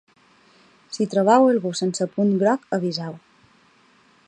Si trobeu algú sense punt groc aviseu.